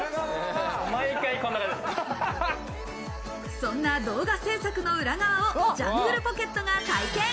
そんな動画制作の裏側をジャングルポケットが体験。